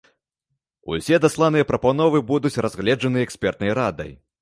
Усе дасланыя прапановы будуць разгледжаныя экспертнай радай.